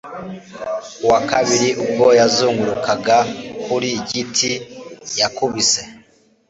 Ku wa kabiri ubwo bonsai yazungurukaga ku giti Lazy Susan Del Tredici yakubise